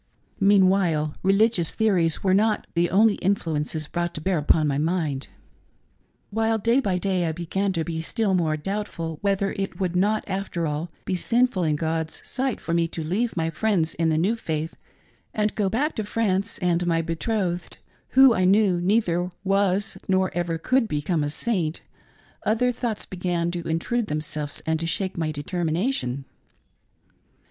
Meanwhile, religious theories were not the only influences brought to bear upon my mind. While day by day I began to be still more doubtful whether it would not after all be sinful in God's sight for me to leave my friends in the new faith and go back to France and my betrothed, who I knew neither was nor ever'could become a Saint, other thoughts began to intrude themselves, and to shake my determination.